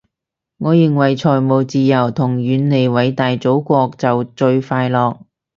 我認為財務自由同遠離偉大祖國就最快樂